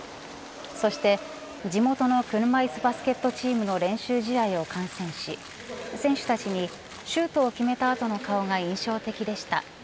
そして地元の車いすバスケットチームの練習試合を観戦し、選手たちにシュートを決めた後の顔が印象的でした。